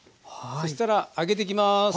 そしたら揚げていきます。